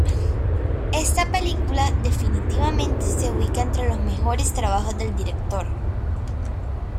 Esta película definitivamente se ubica entre los mejores trabajos del director".